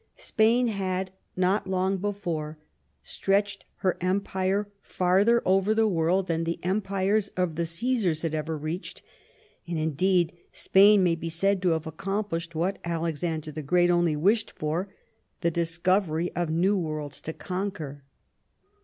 Spain had, not long before, stretched her empire farther over the world than the empires of the Ceesars had ever reached, and, indeed, Spain may be said to have accomplished what Alexander the Great only wished for — ^the discovery of new worlds to con 84 WHAT THE QUEEN CAME TO— ABROAD qner.